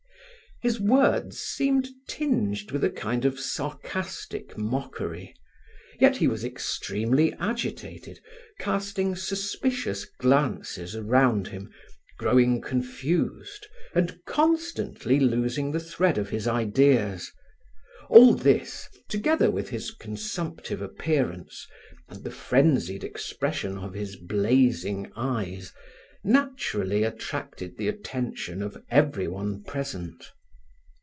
His words seemed tinged with a kind of sarcastic mockery, yet he was extremely agitated, casting suspicious glances around him, growing confused, and constantly losing the thread of his ideas. All this, together with his consumptive appearance, and the frenzied expression of his blazing eyes, naturally attracted the attention of everyone present.